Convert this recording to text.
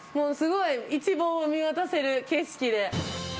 一望を見渡せる景色で。